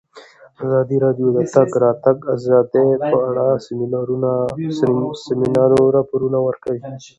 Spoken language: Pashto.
ازادي راډیو د د تګ راتګ ازادي په اړه د سیمینارونو راپورونه ورکړي.